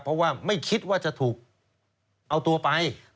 เพราะว่าไม่คิดว่าจะถูกเอาตัวไป